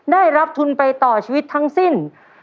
ได้รับทุนไปต่อชีวิตทั้งสิ้น